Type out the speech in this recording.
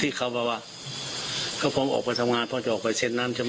ที่เขาบอกว่าเขาพอออกไปทำงานเขาจะออกไปเซ็นต์น้ำใช่ไหม